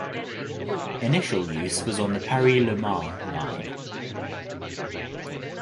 Initial use was on the Paris–Le Mans line.